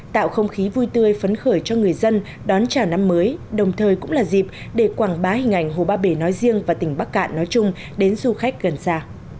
tạo không khí vui tươi phấn khởi cho người dân đón chào năm mới đồng thời cũng là dịp để quảng bá hình ảnh hồ ba bể nói riêng và tỉnh bắc cạn nói chung đến du khách gần xa